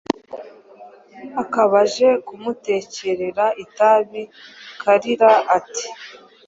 akaba aje kumutekerera itabi. Kalira, ati «